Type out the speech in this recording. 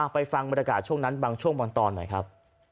ไปฟังบรรยากาศช่วงนั้นบางช่วงบางตอนหน่อยครับ